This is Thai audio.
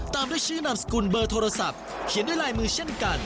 ตามด้วยชื่อนามสกุลเบอร์โทรศัพท์เขียนด้วยลายมือเช่นกัน